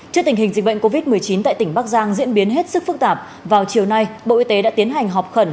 trước tình hình dịch bệnh covid một mươi chín tại tỉnh bắc giang diễn biến hết sức phức tạp vào chiều nay bộ y tế đã tiến hành họp khẩn